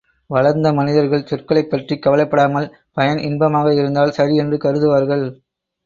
வளர்ந்த மனிதர்கள் சொற்களைப்பற்றிக் கவலைப்படாமல் பயன் இன்பமாக இருந்தால் சரி என்று கருதுவார்கள்.